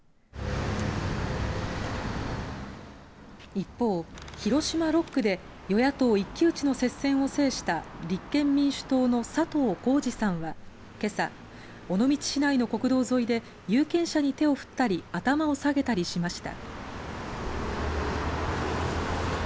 一方、広島６区で与野党一騎打ちの接戦を制した立憲民主党の佐藤公治さんはけさ、尾道市内の国道沿いで有権者に手を振ったり頭を下げたりしました。